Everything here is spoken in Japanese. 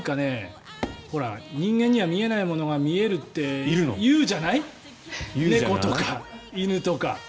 人間には見えないものが見えるっていうじゃない猫とか犬とか。